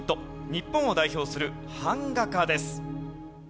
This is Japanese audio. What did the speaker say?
日本を代表する版画家です。